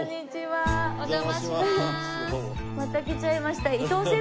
また来ちゃいました。